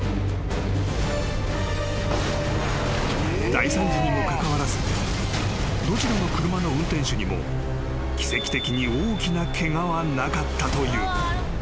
［大惨事にもかかわらずどちらの車の運転手にも奇跡的に大きなケガはなかったという］